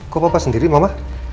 kok papa sendiri mama